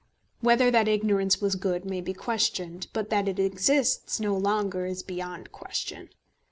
Whether that ignorance was good may be questioned; but that it exists no longer is beyond question.